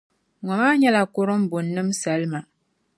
Ŋɔ maa nyɛla kurumbuni nima salima.